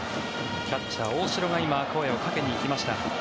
キャッチャー、大城が今、声をかけに行きました。